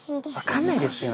分かんないですよね。